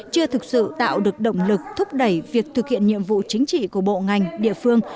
chưa thực sự tạo được động lực thúc đẩy việc thực hiện nhiệm vụ chính trị của bộ ngành địa phương